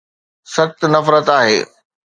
سخت نفرت آهي